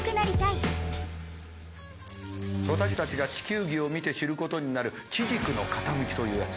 私たちが地球儀を見て知ることになる地軸の傾きというやつ。